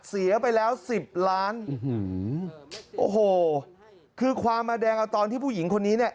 เสียไปแล้วสิบล้านโอ้โหคือความมาแดงเอาตอนที่ผู้หญิงคนนี้เนี่ย